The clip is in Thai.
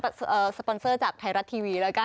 สปอนเซอร์จากไทยรัฐทีวีแล้วกัน